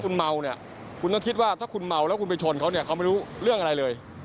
คุณเมาเนี่ยคุณต้องคิดว่าถ้าคุณเมาแล้วคุณไปชนเขาเนี่ยเขาไม่รู้เรื่องอะไรเลย